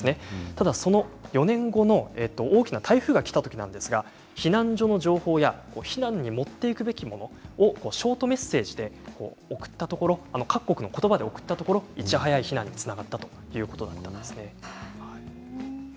ただ、その４年後の大きな台風がきたときなんですが避難所の情報や避難に持っていくべきものをショートメッセージで送ったところ各国のことばで送ったところいち早い避難につながったということなんです。